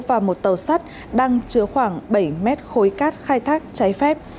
và một tàu sắt đang chứa khoảng bảy mét khối cát khai thác trái phép